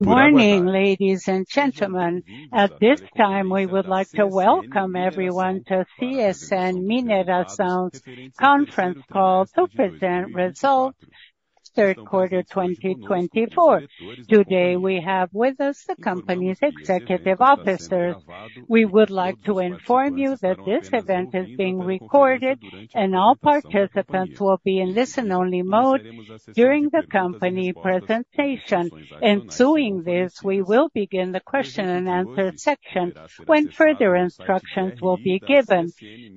Good morning, ladies and gentlemen. At this time, we would like to welcome everyone to CSN Mineração's conference call to present results, third quarter 2024. Today, we have with us the company's executive officers. We would like to inform you that this event is being recorded, and all participants will be in listen-only mode during the company presentation. Ensuing this, we will begin the question and answer section when further instructions will be given.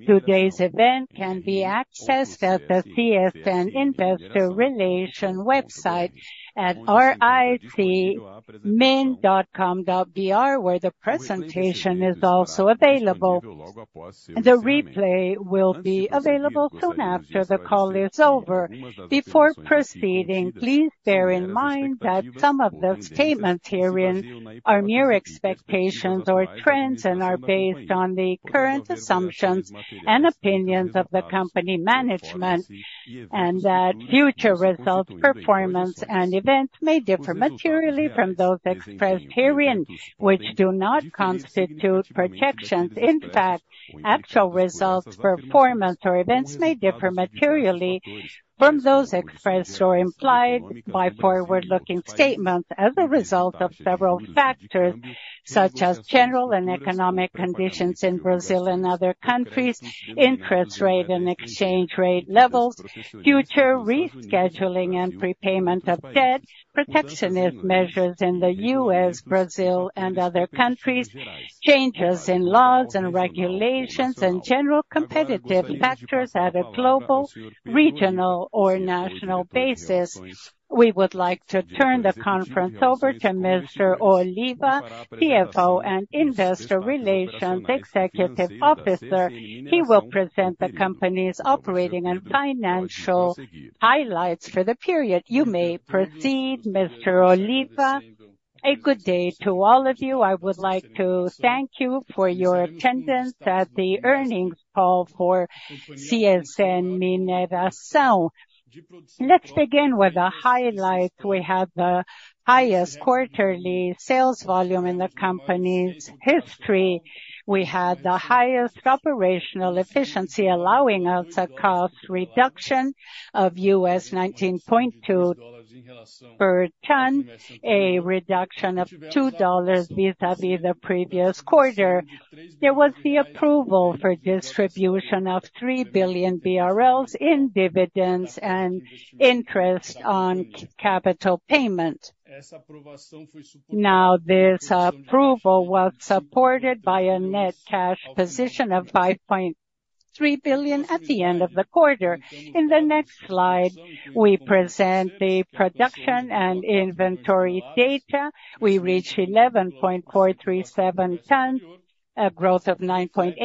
Today's event can be accessed at the CSN Investor Relations website at ri.cmin.com.br, where the presentation is also available. The replay will be available soon after the call is over. Before proceeding, please bear in mind that some of the statements herein are mere expectations or trends and are based on the current assumptions and opinions of the company management, and that future results, performance, and events may differ materially from those expressed herein, which do not constitute projections. In fact, actual results, performance, or events may differ materially from those expressed or implied by forward-looking statements as a result of several factors, such as general and economic conditions in Brazil and other countries, interest rate and exchange rate levels, future rescheduling and prepayment of debt, protectionist measures in the U.S., Brazil, and other countries, changes in laws and regulations, and general competitive factors at a global, regional, or national basis. We would like to turn the conference over to Mr. Oliva, CFO and Investor Relations Executive Officer. He will present the company's operating and financial highlights for the period. You may proceed, Mr. Oliva. A good day to all of you. I would like to thank you for your attendance at the earnings call for CSN Mineração. Let's begin with the highlights. We had the highest quarterly sales volume in the company's history. We had the highest operational efficiency, allowing us a cost reduction of $19.2 per ton, a reduction of $2 vis-à-vis the previous quarter. There was the approval for distribution of 3 billion BRL in dividends and interest on capital payment. Now, this approval was supported by a net cash position of 5.3 billion at the end of the quarter. In the next slide, we present the production and inventory data. We reached 11.437 tons, a growth of 9.8%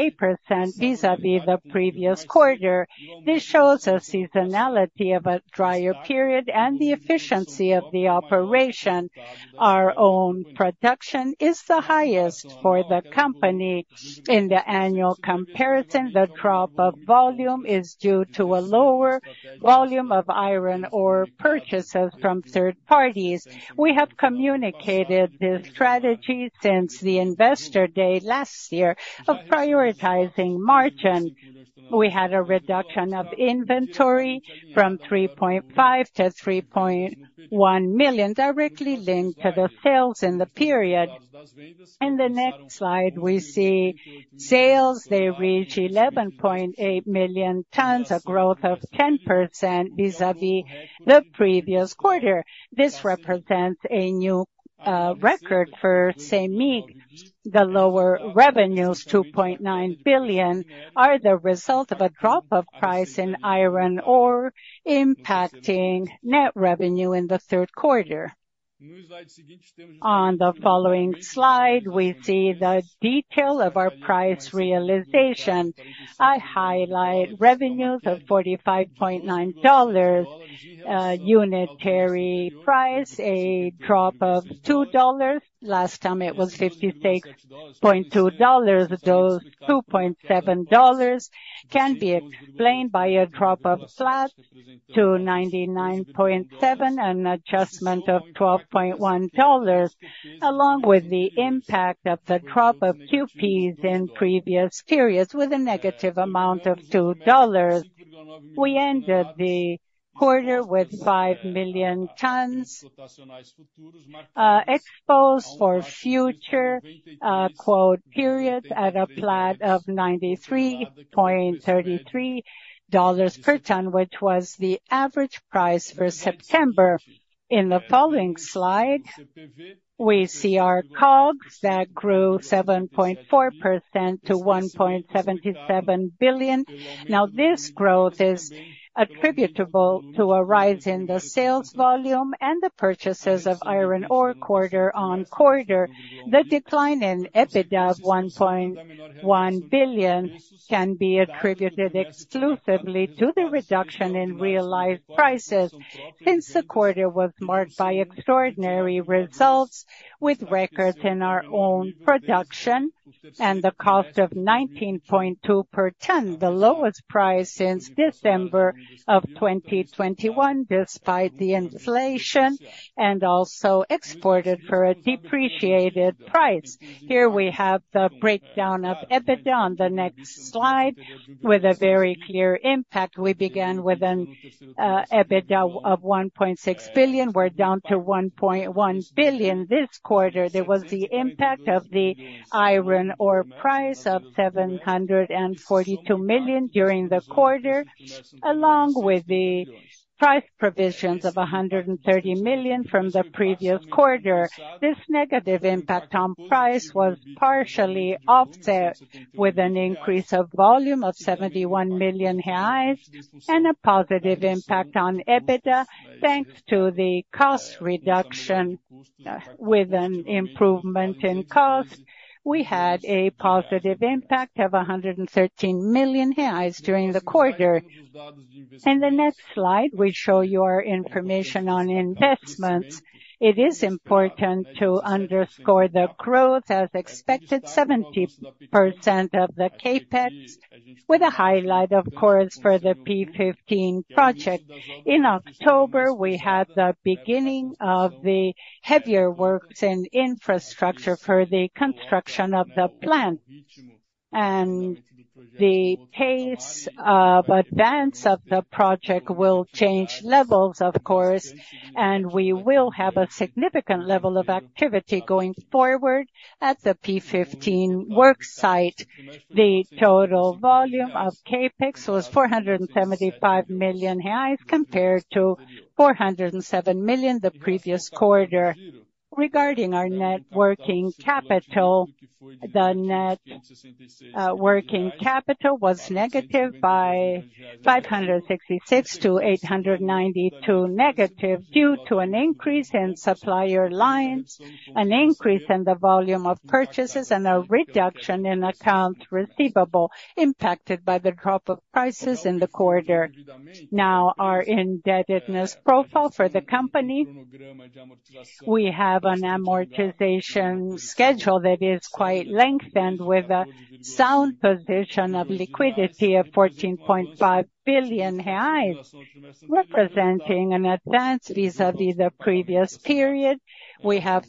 vis-à-vis the previous quarter. This shows a seasonality of a drier period and the efficiency of the operation. Our own production is the highest for the company. In the annual comparison, the drop of volume is due to a lower volume of iron ore purchases from third parties. We have communicated this strategy since the investor day last year of prioritizing margin. We had a reduction of inventory from 3.5 million to 3.1 million, directly linked to the sales in the period. In the next slide, we see sales. They reach 11.8 million tons, a growth of 10% vis-à-vis the previous quarter. This represents a new record for CMIN. The lower revenues, 2.9 billion, are the result of a drop of price in iron ore impacting net revenue in the third quarter. On the following slide, we see the detail of our price realization. I highlight revenues of $45.90, unitary price, a drop of $2. Last time, it was $56.2. Those $2.7 can be explained by a drop of flat to $99.7 and an adjustment of $12.1, along with the impact of the drop of QPs in previous periods with a negative amount of $2. We ended the quarter with 5 million tons exposed for future periods at a flat of $93.33 per ton, which was the average price for September. In the following slide, we see our COGS that grew 7.4% to 1.77 billion. Now, this growth is attributable to a rise in the sales volume and the purchases of iron ore quarter-on-quarter. The decline in EBITDA of 1.1 billion can be attributed exclusively to the reduction in realized prices since the quarter was marked by extraordinary results with records in our own production and the cost of $19.2 per ton, the lowest cost since December of 2021, despite the inflation, and also exported for a depreciated price. Here we have the breakdown of EBITDA on the next slide with a very clear impact. We began with an EBITDA of 1.6 billion. We're down to 1.1 billion this quarter. There was the impact of the iron ore price of 742 million during the quarter, along with the price provisions of 130 million from the previous quarter. This negative impact on price was partially offset with an increase of volume of 71 million reais and a positive impact on EBITDA, thanks to the cost reduction with an improvement in cost. We had a positive impact of 113 million reais during the quarter. In the next slide, we show you our information on investments. It is important to underscore the growth as expected, 70% of the CapEx, with a highlight, of course, for the P15 project. In October, we had the beginning of the heavier works in infrastructure for the construction of the plant, and the pace of advance of the project will change levels, of course, and we will have a significant level of activity going forward at the P15 worksite. The total volume of CapEx was 475 million reais compared to 407 million the previous quarter. Regarding our net working capital, the net working capital was negative by 566 to 892 negative due to an increase in supplier lines, an increase in the volume of purchases, and a reduction in accounts receivable impacted by the drop of prices in the quarter. Now, our indebtedness profile for the company. We have an amortization schedule that is quite lengthened with a sound position of liquidity of 14.5 billion reais, representing an advance vis-à-vis the previous period. We have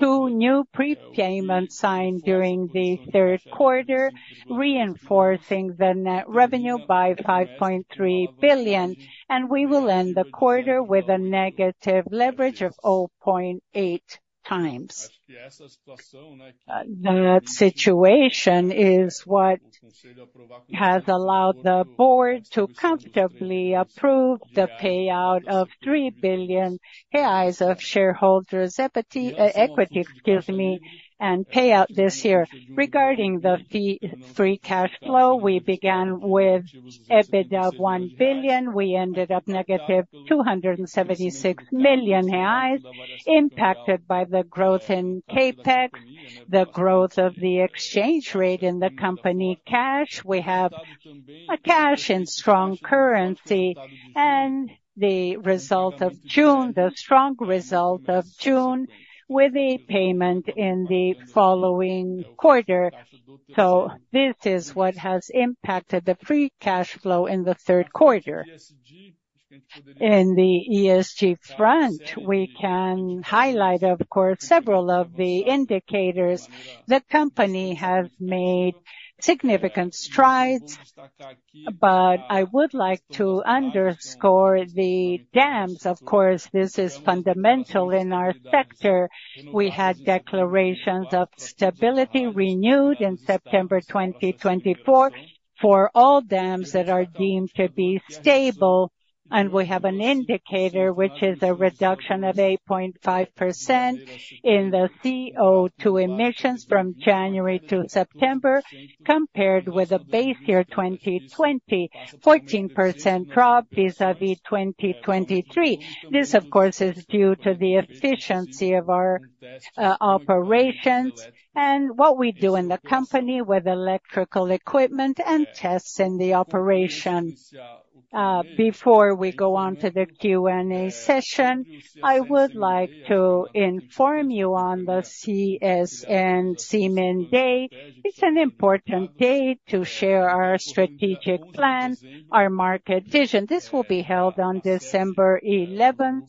two new prepayments signed during the third quarter, reinforcing the net revenue by 5.3 billion, and we will end the quarter with a negative leverage of 0.8x. That situation is what has allowed the board to comfortably approve the payout of 3 billion reais of shareholders' equity and payout this year. Regarding the free cash flow, we began with EBITDA of 1 billion. We ended up -276 million reais, impacted by the growth in CapEx, the growth of the exchange rate in the company cash. We have cash in strong currency and the result of June, the strong result of June, with a payment in the following quarter. So this is what has impacted the free cash flow in the third quarter. In the ESG front, we can highlight, of course, several of the indicators. The company has made significant strides, but I would like to underscore the dams. Of course, this is fundamental in our sector. We had declarations of stability renewed in September 2024 for all dams that are deemed to be stable, and we have an indicator which is a reduction of 8.5% in the CO2 emissions from January to September, compared with a base year 2020, 14% drop vis-à-vis 2023. This, of course, is due to the efficiency of our operations and what we do in the company with electrical equipment and tests in the operation. Before we go on to the Q&A session, I would like to inform you on the CSN CMIN Day. It's an important day to share our strategic plan, our market vision. This will be held on December 11th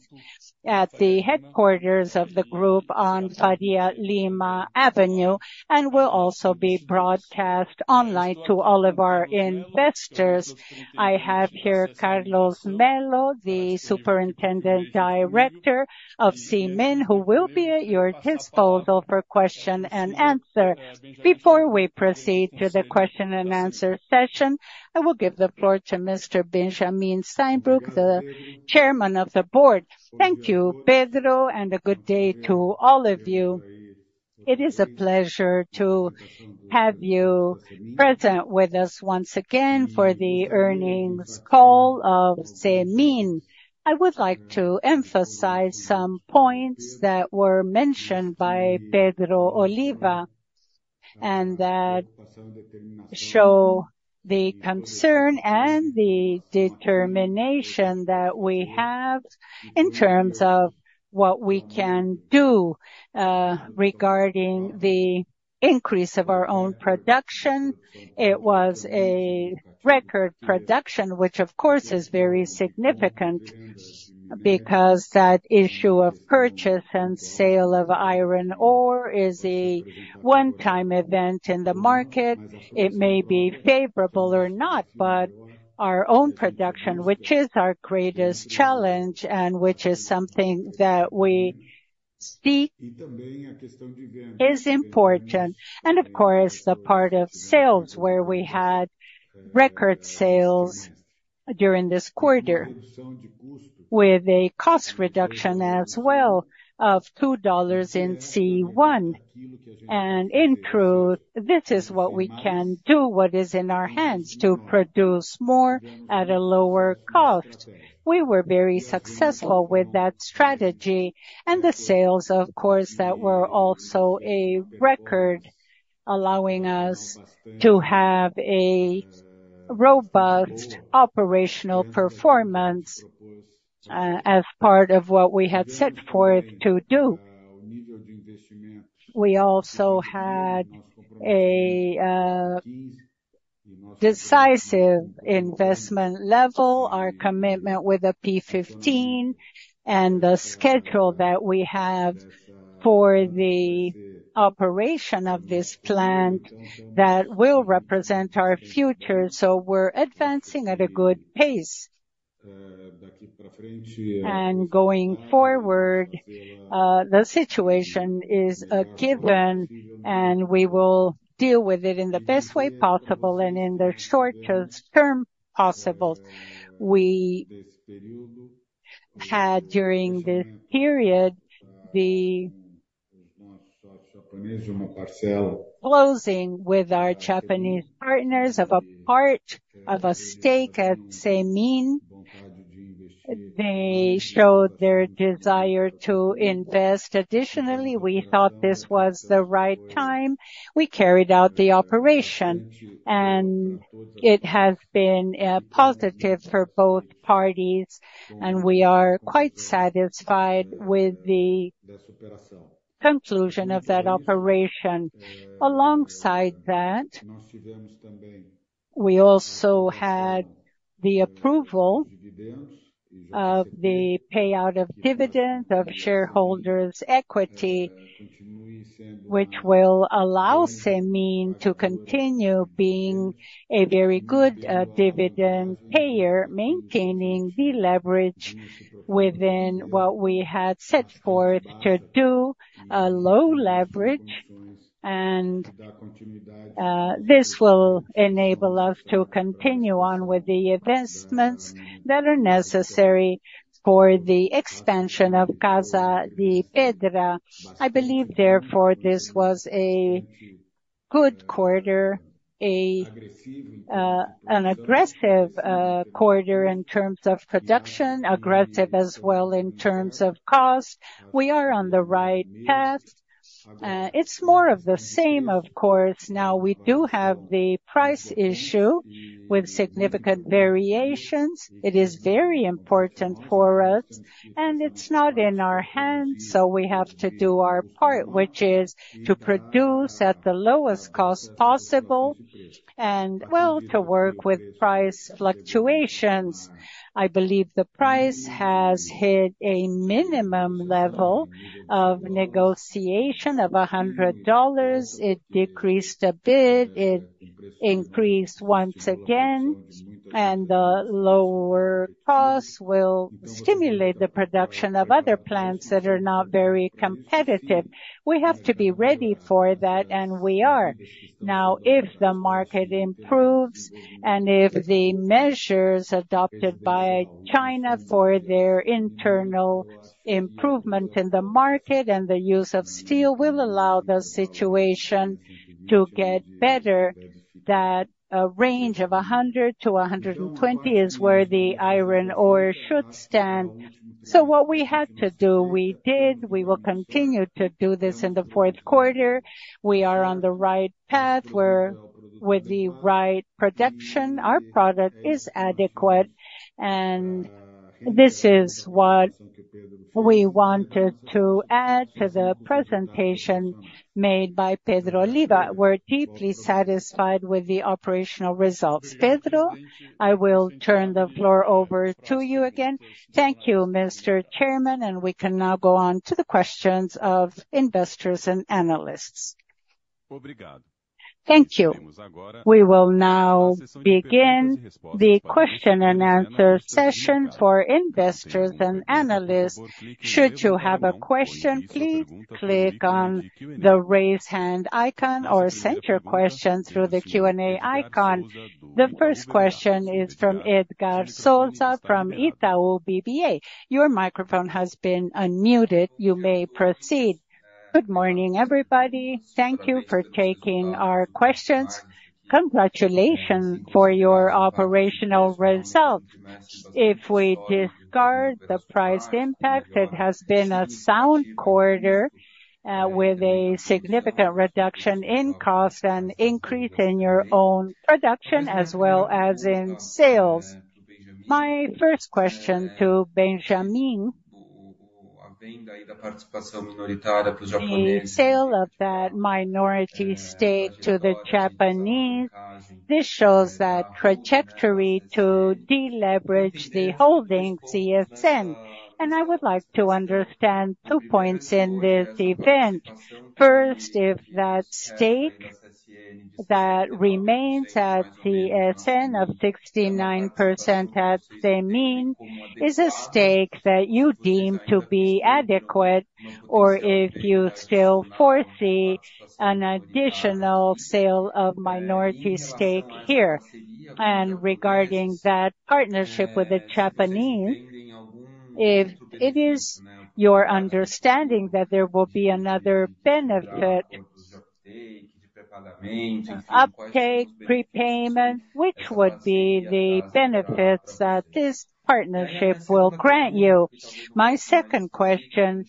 at the headquarters of the group on Faria Lima Avenue, and will also be broadcast online to all of our investors. I have here Carlos Mello, the Superintendent Director of CMIN, who will be at your disposal for question and answer. Before we proceed to the question and answer session, I will give the floor to Mr. Benjamin Steinbruch, the Chairman of the Board. Thank you, Pedro, and a good day to all of you. It is a pleasure to have you present with us once again for the earnings call of CMIN. I would like to emphasize some points that were mentioned by Pedro Oliva and that show the concern and the determination that we have in terms of what we can do regarding the increase of our own production. It was a record production, which, of course, is very significant because that issue of purchase and sale of iron ore is a one-time event in the market. It may be favorable or not, but our own production, which is our greatest challenge and which is something that we seek is important. And, of course, the part of sales where we had record sales during this quarter with a cost reduction as well of $2 in C1. And in truth, this is what we can do, what is in our hands to produce more at a lower cost. We were very successful with that strategy and the sales, of course, that were also a record, allowing us to have a robust operational performance as part of what we had set forth to do. We also had a decisive investment level, our commitment with the P15, and the schedule that we have for the operation of this plant that will represent our future. So we're advancing at a good pace and going forward. The situation is a given, and we will deal with it in the best way possible and in the shortest term possible. We had, during this period, the closing with our Japanese partners of a part of a stake at CMIN. They showed their desire to invest additionally. We thought this was the right time. We carried out the operation, and it has been positive for both parties, and we are quite satisfied with the conclusion of that operation. Alongside that, we also had the approval of the payout of dividends of shareholders' equity, which will allow CMIN to continue being a very good dividend payer, maintaining the leverage within what we had set forth to do, a low leverage, and this will enable us to continue on with the investments that are necessary for the expansion of Casa de Pedra. I believe, therefore, this was a good quarter, an aggressive quarter in terms of production, aggressive as well in terms of cost. We are on the right path. It's more of the same, of course. Now, we do have the price issue with significant variations. It is very important for us, and it's not in our hands, so we have to do our part, which is to produce at the lowest cost possible and, well, to work with price fluctuations. I believe the price has hit a minimum level of negotiation of $100. It decreased a bit. It increased once again, and the lower cost will stimulate the production of other plants that are not very competitive. We have to be ready for that, and we are. Now, if the market improves and if the measures adopted by China for their internal improvement in the market and the use of steel will allow the situation to get better, that a range of $100-$120 is where the iron ore should stand. So what we had to do, we did. We will continue to do this in the fourth quarter. We are on the right path. We're with the right production. Our product is adequate, and this is what we wanted to add to the presentation made by Pedro Oliva. We're deeply satisfied with the operational results. Pedro, I will turn the floor over to you again. Thank you, Mr. Chairman, and we can now go on to the questions of investors and analysts. Thank you. We will now begin the question and answer session for investors and analysts. Should you have a question, please click on the raise hand icon or send your question through the Q&A icon. The first question is from Edgard de Souza from Itaú BBA. Your microphone has been unmuted. You may proceed. Good morning, everybody. Thank you for taking our questions. Congratulations for your operational results. If we discard the price impact, it has been a sound quarter with a significant reduction in cost and increase in your own production as well as in sales. My first question to Benjamin in the sale of that minority stake to the Japanese, this shows that trajectory to deleverage the holding CSN, and I would like to understand two points in this event. First, if that stake that remains at CSN of 69% at CMIN is a stake that you deem to be adequate, or if you still foresee an additional sale of minority stake here, and regarding that partnership with the Japanese, if it is your understanding that there will be another benefit, uptake, prepayment, which would be the benefits that this partnership will grant you. My second question,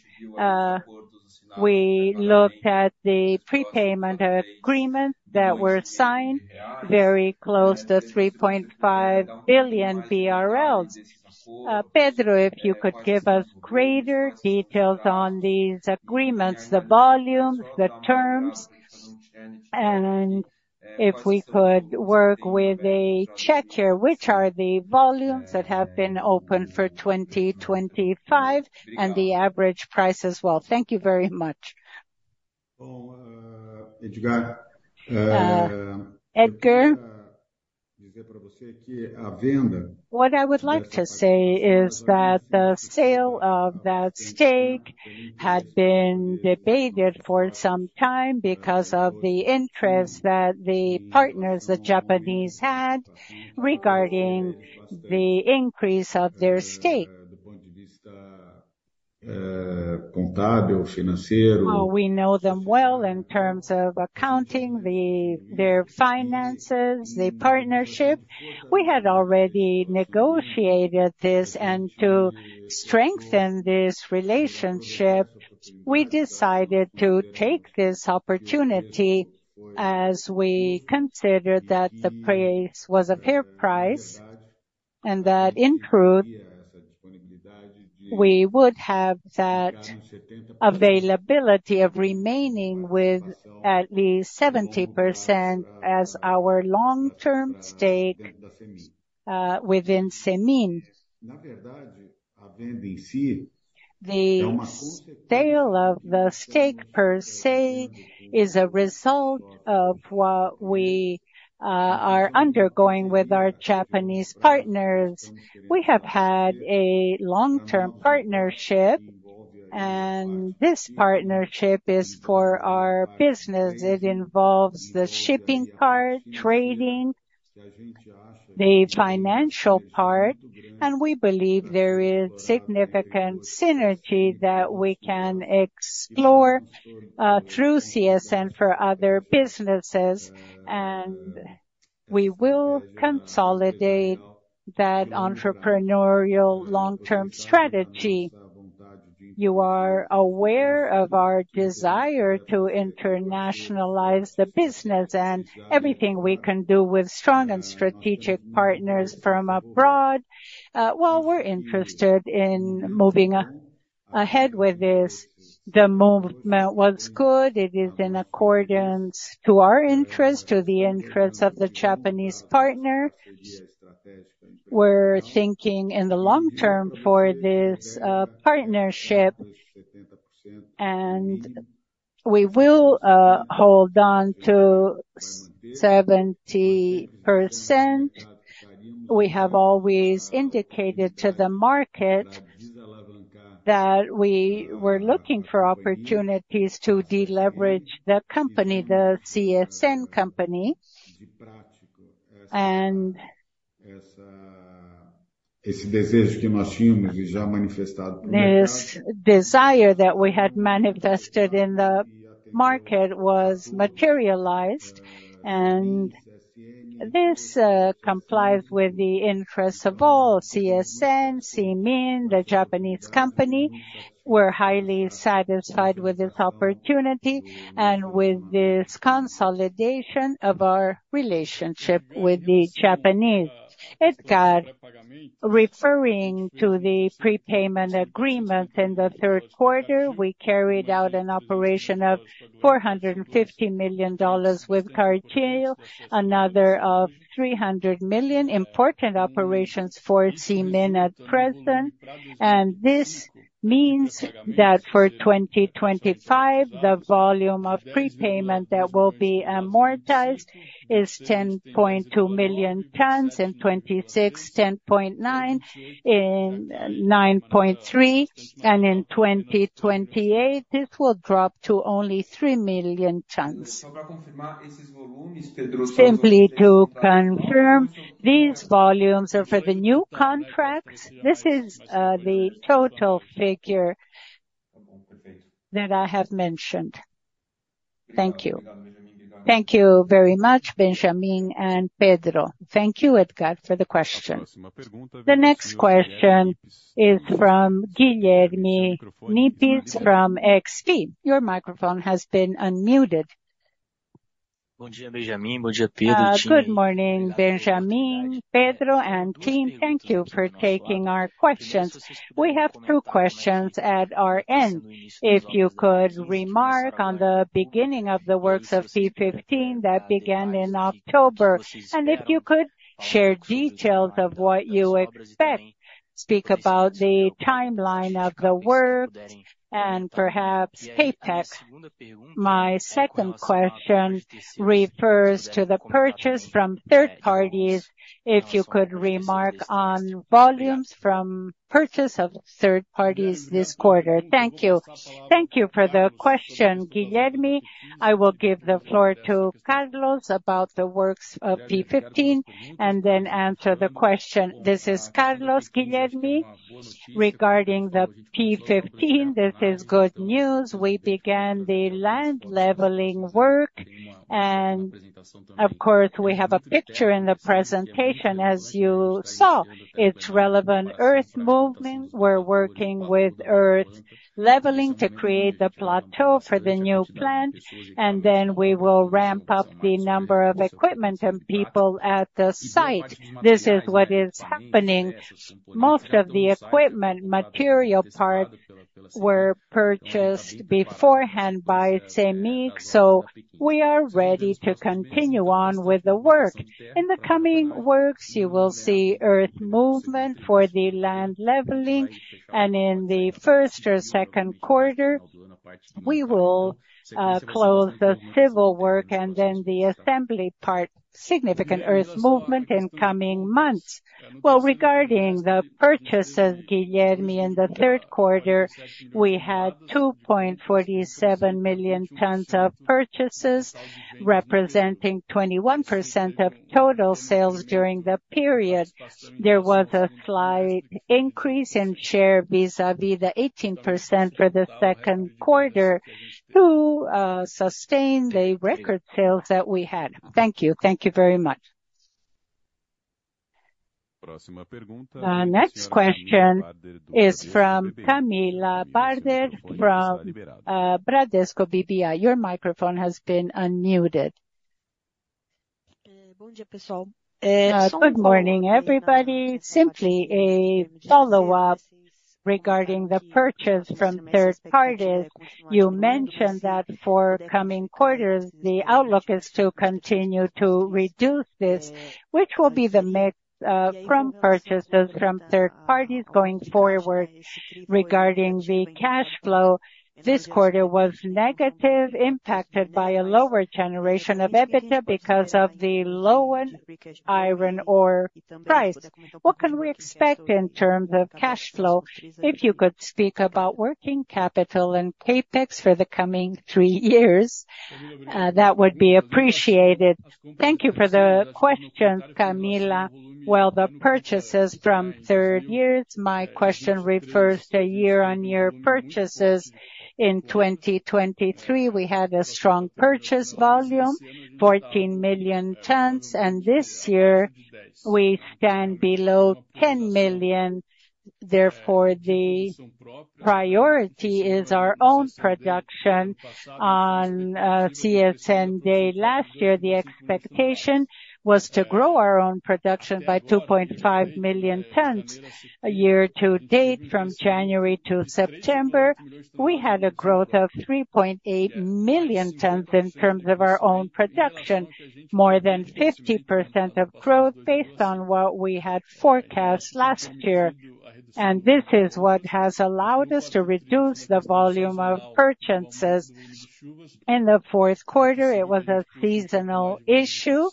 we looked at the prepayment agreements that were signed, very close to 3.5 billion BRL. Pedro, if you could give us greater details on these agreements, the volumes, the terms, and if we could work with a check here, which are the volumes that have been open for 2025 and the average price as well. Thank you very much. Edgar, what I would like to say is that the sale of that stake had been debated for some time because of the interest that the partners, the Japanese, had regarding the increase of their stake. We know them well in terms of accounting, their finances, the partnership. We had already negotiated this, and to strengthen this relationship, we decided to take this opportunity as we considered that the price was a fair price and that, in truth, we would have that availability of remaining with at least 70% as our long-term stake within CMIN. The sale of the stake per se is a result of what we are undergoing with our Japanese partners. We have had a long-term partnership, and this partnership is for our business. It involves the shipping part, trading, the financial part, and we believe there is significant synergy that we can explore through CSN for other businesses, and we will consolidate that entrepreneurial long-term strategy. You are aware of our desire to internationalize the business and everything we can do with strong and strategic partners from abroad. While we're interested in moving ahead with this, the movement was good. It is in accordance to our interests, to the interests of the Japanese partner. We're thinking in the long term for this partnership, and we will hold on to 70%. We have always indicated to the market that we were looking for opportunities to deleverage the company, the CSN company. This desire that we had manifested in the market was materialized, and this complies with the interests of all CSN, CMIN, the Japanese company. We're highly satisfied with this opportunity and with this consolidation of our relationship with the Japanese. Edgar, referring to the prepayment agreement in the third quarter, we carried out an operation of $450 million with Cargill, another of $300 million. Important operations for CMIN at present, and this means that for 2025, the volume of prepayment that will be amortized is 10.2 million tons in 2026, 10.9 million tons in 2029, and in 2028, this will drop to only 3 million tons. Simply to confirm, these volumes are for the new contracts. This is the total figure that I have mentioned. Thank you. Thank you very much, Benjamin and Pedro. Thank you, Edgar, for the question. The next question is from Guilherme Nippes from XP. Your microphone has been unmuted. Good morning, Benjamin, Pedro, and team. Thank you for taking our questions. We have two questions at our end. If you could remark on the beginning of the works of P15 that began in October, and if you could share details of what you expect, speak about the timeline of the works, and perhaps payback. My second question refers to the purchase from third parties. If you could remark on volumes from purchase of third parties this quarter. Thank you. Thank you for the question, Guilherme. I will give the floor to Carlos about the works of P15 and then answer the question. This is Carlos, Guilherme. Regarding the P15, this is good news. We began the land leveling work, and of course, we have a picture in the presentation, as you saw. It's relevant earth movement. We're working with earth leveling to create the plateau for the new plant, and then we will ramp up the number of equipment and people at the site. This is what is happening. Most of the equipment, material parts, were purchased beforehand by CMIN, so we are ready to continue on with the work. In the coming works, you will see earth movement for the land leveling, and in the first or second quarter, we will close the civil work and then the assembly part. Significant earth movement in coming months. Regarding the purchases, Guilherme, in the third quarter, we had 2.47 million tons of purchases, representing 21% of total sales during the period. There was a slight increase in share vis-à-vis the 18% for the second quarter, who sustained the record sales that we had. Thank you. Thank you very much. The next question is from Camilla Barter from Bradesco BBI. Your microphone has been unmuted. Good morning, everybody. Simply a follow-up regarding the purchase from third parties. You mentioned that for coming quarters, the outlook is to continue to reduce this, which will be the mix from purchases from third parties going forward regarding the cash flow. This quarter was negative, impacted by a lower generation of EBITDA because of the low iron ore price. What can we expect in terms of cash flow? If you could speak about working capital and paybacks for the coming three years, that would be appreciated. Thank you for the questions, Camilla. Well, the purchases from third parties, my question refers to year-on-year purchases. In 2023, we had a strong purchase volume, 14 million tons, and this year we stand below 10 million. Therefore, the priority is our own production. On CSN Day last year, the expectation was to grow our own production by 2.5 million tons a year to date. From January to September, we had a growth of 3.8 million tons in terms of our own production, more than 50% of growth based on what we had forecast last year. This is what has allowed us to reduce the volume of purchases. In the fourth quarter, it was a seasonal issue,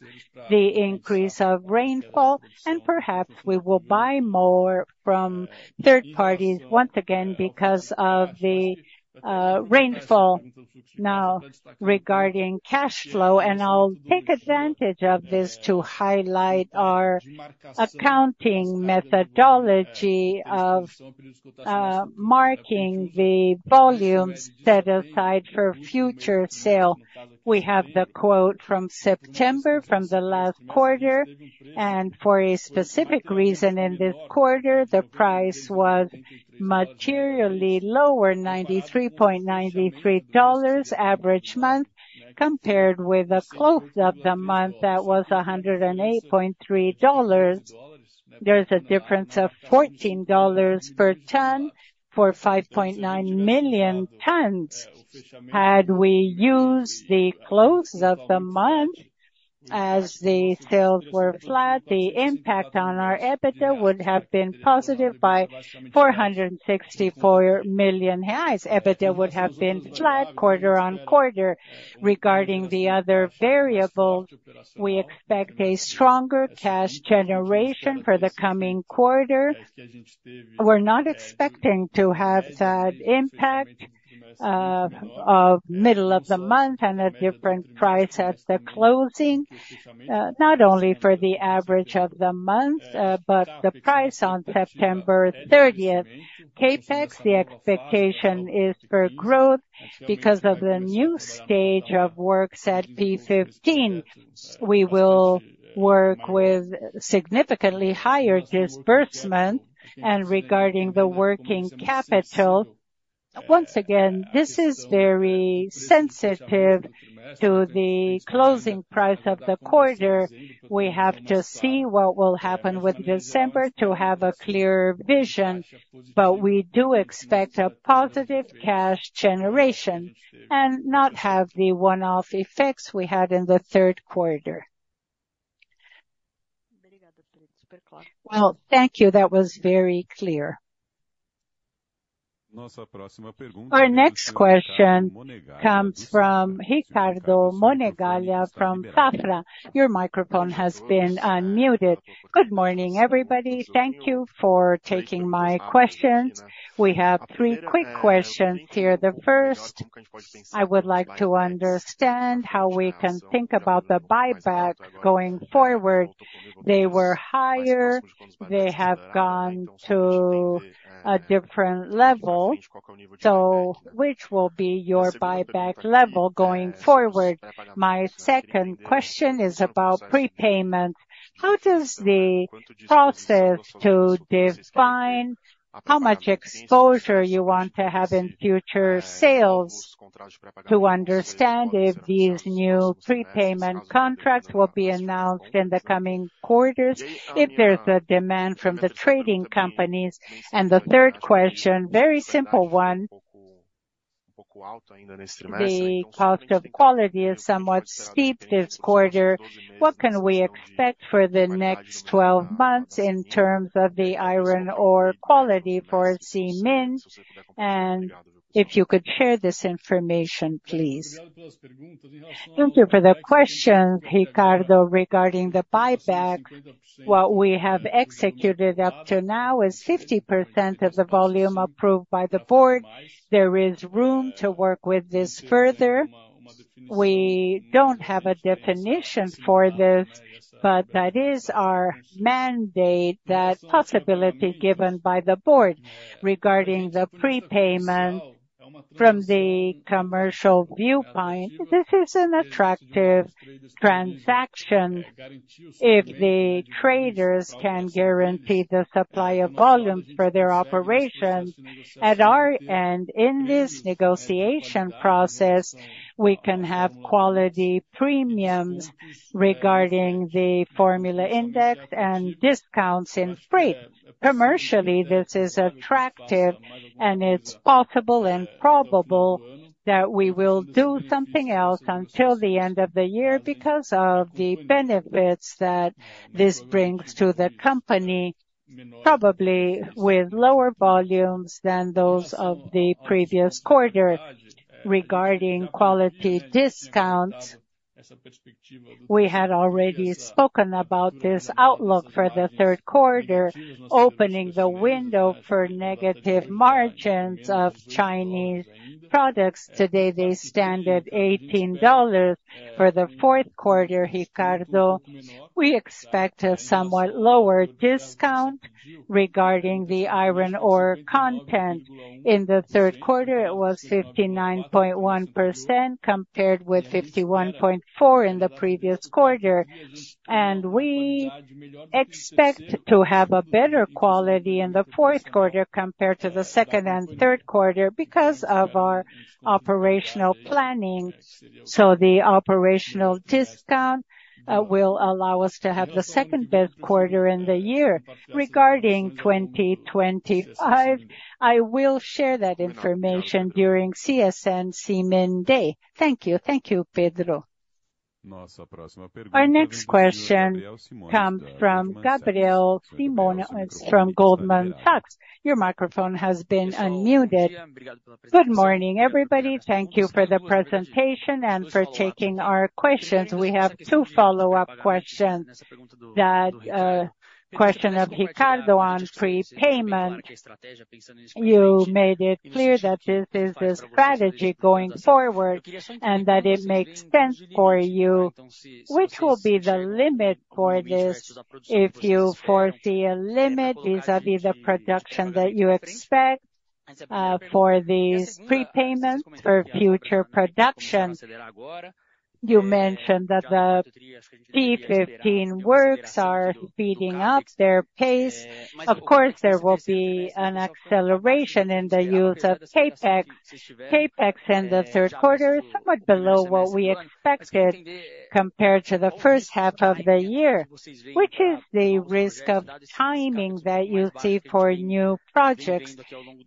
the increase of rainfall, and perhaps we will buy more from third parties once again because of the rainfall. Now, regarding cash flow, and I'll take advantage of this to highlight our accounting methodology of marking the volumes set aside for future sale. We have the quote from September, from the last quarter, and for a specific reason in this quarter, the price was materially lower, $93.93 average month, compared with a close of the month that was $108.3. There's a difference of $14 per ton for 5.9 million tons. Had we used the close of the month as the sales were flat, the impact on our EBITDA would have been positive by 464 million. EBITDA would have been flat quarter-on-quarter. Regarding the other variables, we expect a stronger cash generation for the coming quarter. We're not expecting to have that impact of middle of the month and a different price at the closing, not only for the average of the month, but the price on September 30th. CapEx, the expectation is for growth because of the new stage of works at P15. We will work with significantly higher disbursement. Regarding the working capital, once again, this is very sensitive to the closing price of the quarter. We have to see what will happen with December to have a clear vision, but we do expect a positive cash generation and not have the one-off effects we had in the third quarter. Thank you. That was very clear. Our next question comes from Ricardo Monegaglia from Safra. Your microphone has been unmuted. Good morning, everybody. Thank you for taking my questions. We have three quick questions here. The first, I would like to understand how we can think about the buyback going forward. They were higher. They have gone to a different level. Which will be your buyback level going forward? My second question is about prepayments. How does the process to define how much exposure you want to have in future sales to understand if these new prepayment contracts will be announced in the coming quarters, if there's a demand from the trading companies? And the third question, very simple one. The cost of quality is somewhat steep this quarter. What can we expect for the next 12 months in terms of the iron ore quality for CMIN? And if you could share this information, please. Thank you for the questions, Ricardo, regarding the buyback. What we have executed up to now is 50% of the volume approved by the board. There is room to work with this further. We don't have a definition for this, but that is our mandate, that possibility given by the board regarding the prepayment from the commercial viewpoint. This is an attractive transaction if the traders can guarantee the supply of volumes for their operations. At our end, in this negotiation process, we can have quality premiums regarding the formula index and discounts in freight. Commercially, this is attractive, and it's possible and probable that we will do something else until the end of the year because of the benefits that this brings to the company, probably with lower volumes than those of the previous quarter. Regarding quality discounts, we had already spoken about this outlook for the third quarter, opening the window for negative margins of Chinese products. Today, they stand at $18 for the fourth quarter, Ricardo. We expect a somewhat lower discount regarding the iron ore content. In the third quarter, it was 59.1% compared with 51.4% in the previous quarter. And we expect to have a better quality in the fourth quarter compared to the second and third quarter because of our operational planning. So the operational discount will allow us to have the second best quarter in the year. Regarding 2025, I will share that information during CSN CMIN Day. Thank you. Thank you, Pedro. Our next question comes from Gabriel Simões from Goldman Sachs. Your microphone has been unmuted. Good morning, everybody. Thank you for the presentation and for taking our questions. We have two follow-up questions. That question of Ricardo on prepayment, you made it clear that this is a strategy going forward and that it makes sense for you. Which will be the limit for this if you foresee a limit vis-à-vis the production that you expect for these prepayments for future production? You mentioned that the P15 works are speeding up their pace. Of course, there will be an acceleration in the use of CapEx. CapEx in the third quarter is somewhat below what we expected compared to the first half of the year. Which is the risk of timing that you see for new projects?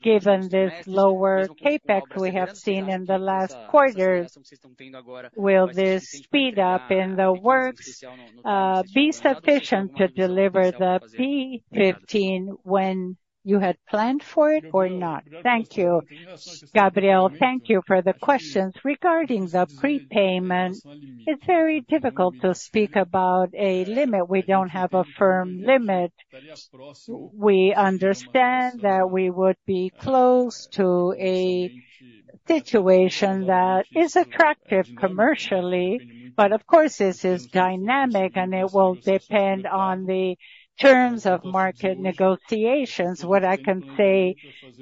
Given this lower CapEx we have seen in the last quarter, will this speed up in the works be sufficient to deliver the P15 when you had planned for it or not? Thank you. Gabriel, thank you for the questions. Regarding the prepayment, it's very difficult to speak about a limit. We don't have a firm limit. We understand that we would be close to a situation that is attractive commercially, but of course, this is dynamic and it will depend on the terms of market negotiations. What I can say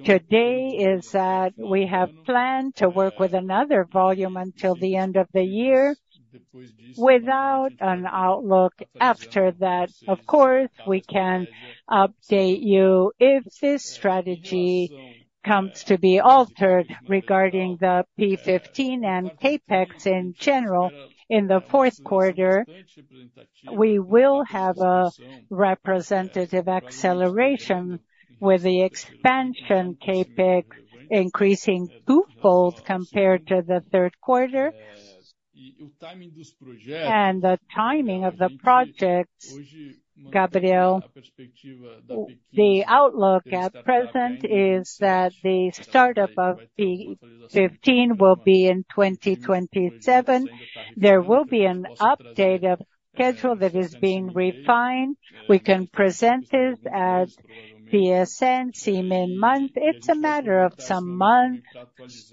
today is that we have planned to work with another volume until the end of the year without an outlook after that. Of course, we can update you if this strategy comes to be altered regarding the P15 and CapEx in general. In the fourth quarter, we will have a representative acceleration with the expansion CapEx increasing twofold compared to the third quarter, and the timing of the projects, Gabriel, the outlook at present is that the startup of P15 will be in 2027. There will be an update of schedule that is being refined. We can present this at CSN CMIN month. It's a matter of some months,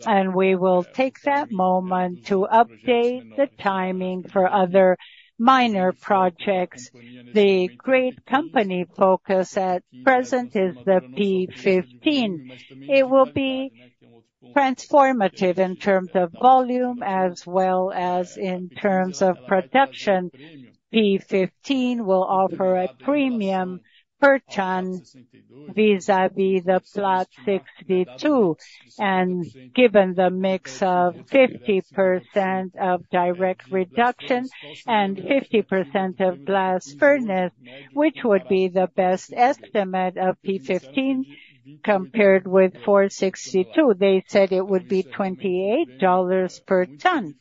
and we will take that moment to update the timing for other minor projects. The great company focus at present is the P15. It will be transformative in terms of volume as well as in terms of production. P15 will offer a premium per ton vis-à-vis the [flat 62%]. And given the mix of 50% of direct reduction and 50% of blast furnace, which would be the best estimate of P15 compared with [for 62%], they said it would be $28 per ton,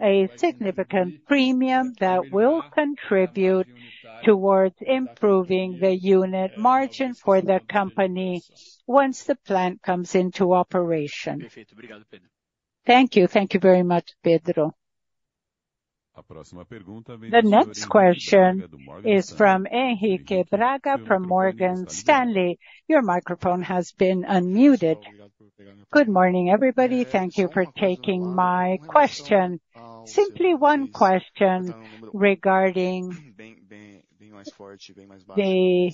a significant premium that will contribute towards improving the unit margin for the company once the plant comes into operation. Thank you. Thank you very much, Pedro. The next question is from Henrique Braga from Morgan Stanley. Your microphone has been unmuted. Good morning, everybody. Thank you for taking my question. Simply one question regarding the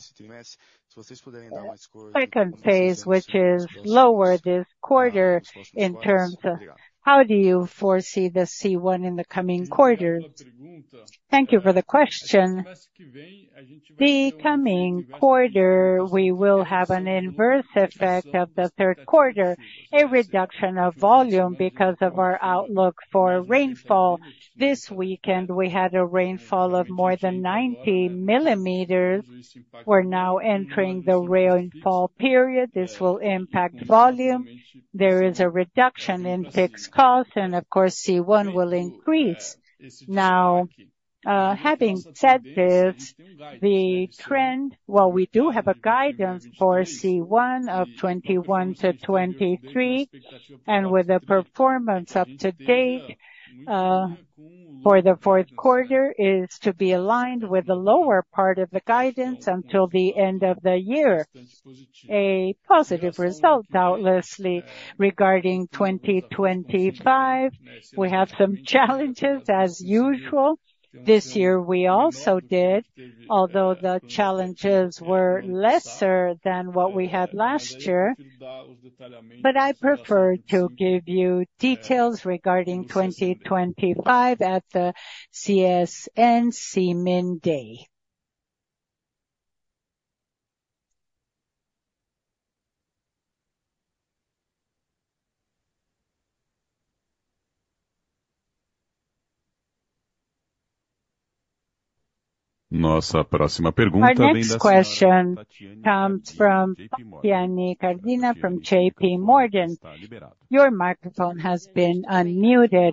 second phase, which is lower this quarter in terms of how do you foresee the C1 in the coming quarter? Thank you for the question. The coming quarter, we will have an inverse effect of the third quarter, a reduction of volume because of our outlook for rainfall. This weekend, we had a rainfall of more than 90 mm. We're now entering the rainfall period. This will impact volume. There is a reduction in fixed costs, and of course, C1 will increase. Now, having said this, the trend, well, we do have a guidance for C1 of 21-23, and with the performance up to date for the fourth quarter, is to be aligned with the lower part of the guidance until the end of the year. A positive result, doubtlessly. Regarding 2025, we have some challenges, as usual. This year, we also did, although the challenges were lesser than what we had last year. But I prefer to give you details regarding 2025 at the CSN CMIN Day. The next question comes from Alejandra Andrade from JP Morgan. Your microphone has been unmuted.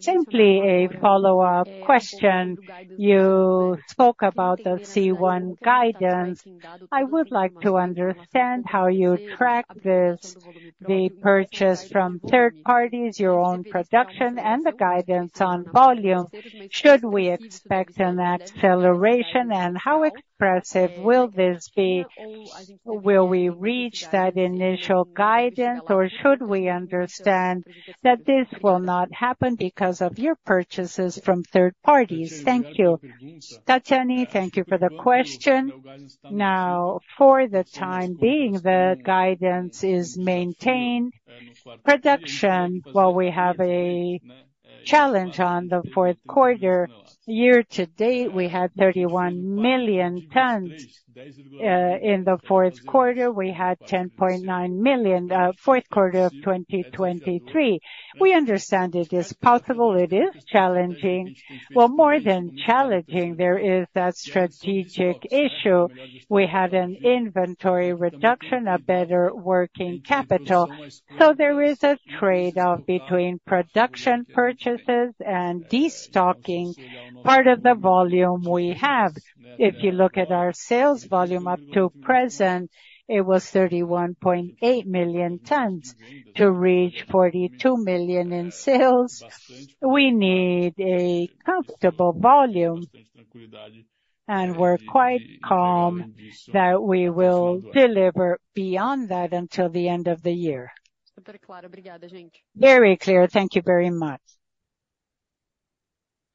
Simply a follow-up question. You spoke about the C1 guidance. I would like to understand how you track this, the purchase from third parties, your own production, and the guidance on volume. Should we expect an acceleration, and how expressive will this be? Will we reach that initial guidance, or should we understand that this will not happen because of your purchases from third parties? Thank you. Tatiana, thank you for the question. Now, for the time being, the guidance is maintained. Production, well, we have a challenge on the fourth quarter. Year to date, we had 31 million tons in the fourth quarter. We had 10.9 million in the fourth quarter of 2023. We understand it is possible. It is challenging. More than challenging, there is a strategic issue. We had an inventory reduction, a better working capital. So there is a trade-off between production purchases and destocking part of the volume we have. If you look at our sales volume up to present, it was 31.8 million tons to reach 42 million in sales. We need a comfortable volume, and we're quite calm that we will deliver beyond that until the end of the year. Very clear. Thank you very much.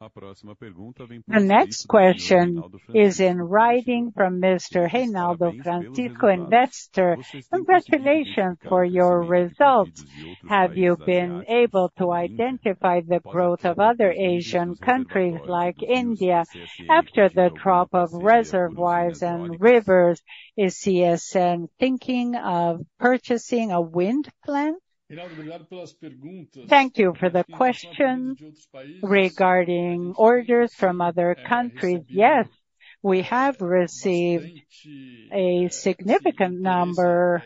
The next question is in writing from Mr. Reinaldo Francisco, Investor. Congratulations for your results. Have you been able to identify the growth of other Asian countries like India after the drop of reservoirs and rivers? Is CSN thinking of purchasing a wind plant? Thank you for the question regarding orders from other countries. Yes, we have received a significant number,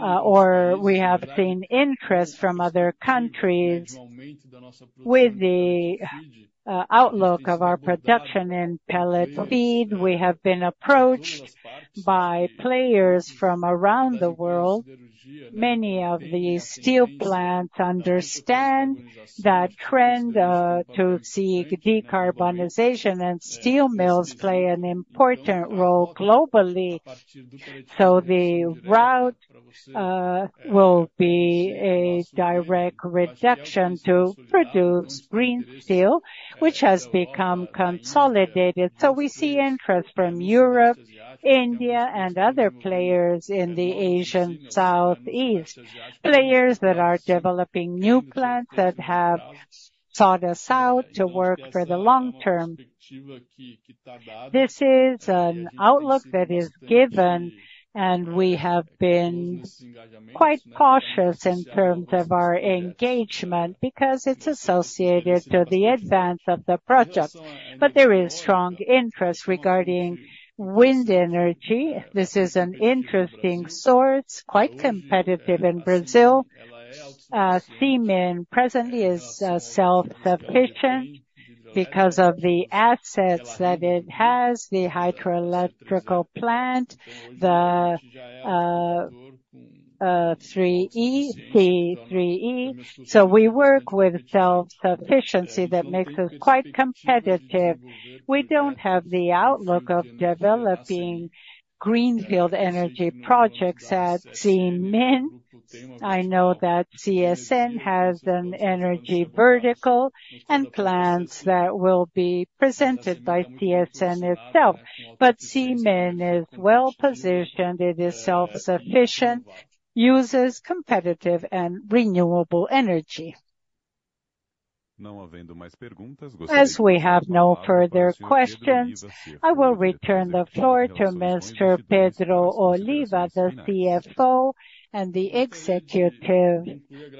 or we have seen interest from other countries. With the outlook of our production in pellet feed, we have been approached by players from around the world. Many of these steel plants understand that trend to seek decarbonization, and steel mills play an important role globally. So the route will be a direct reduction to produce green steel, which has become consolidated. So we see interest from Europe, India, and other players in Southeast Asia, players that are developing new plants that have sought us out to work for the long term. This is an outlook that is given, and we have been quite cautious in terms of our engagement because it's associated to the advance of the project. But there is strong interest regarding wind energy. This is an interesting source, quite competitive in Brazil. CMIN presently is self-sufficient because of the assets that it has, the hydroelectric plant, the CEEE. So we work with self-sufficiency that makes us quite competitive. We don't have the outlook of developing greenfield energy projects at CMIN. I know that CSN has an energy vertical and plants that will be presented by CSN itself. But CMIN is well positioned. It is self-sufficient, uses competitive and renewable energy. As we have no further questions, I will return the floor to Mr. Pedro Oliva, the CFO and the Executive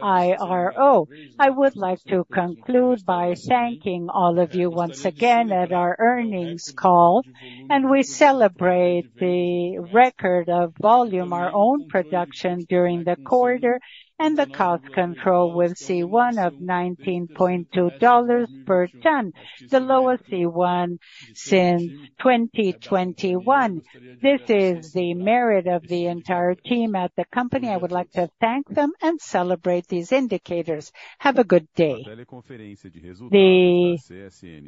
IRO. I would like to conclude by thanking all of you once again at our earnings call. And we celebrate the record of volume, our own production during the quarter, and the cost control with C1 of $19.2 per ton, the lowest C1 since 2021. This is the merit of the entire team at the company. I would like to thank them and celebrate these indicators. Have a good day. The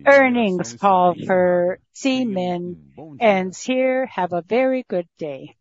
earnings call for CMIN ends here. Have a very good day.